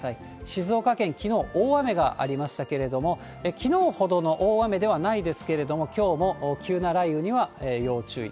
静岡県、きのう、大雨がありましたけれども、きのうほどの大雨ではないですけれども、きょうも急な雷雨には要注意。